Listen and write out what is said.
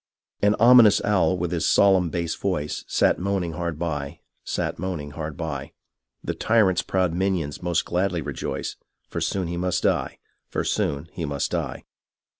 An ominous owl with his solemn bass voice Sat moaning hard by ; sat moaning hard by ;" The tyrant's proud minions most gladly rejoice, For he must soon die ; for he must soon die."